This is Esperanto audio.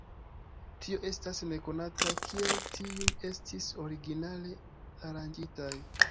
Tio estas nekonata, kiel tiuj estis originale aranĝitaj.